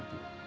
nah itu juga